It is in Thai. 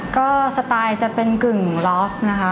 ก็สไตล์จะเป็นกึ่งลอฟนะคะ